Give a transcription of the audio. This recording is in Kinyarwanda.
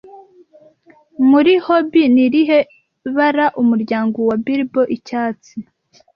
Muri Hobbit ni irihe bara umuryango wa Bilbo Icyatsi